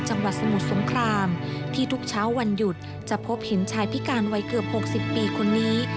จังหวัดสมุทรสงครามที่ทุกเช้าวันหยุดจะพบเห็นชายพิการวัยเกือบ๖๐ปีคนนี้